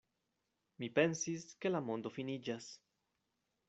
Mi pensis, ke la mondo finiĝas.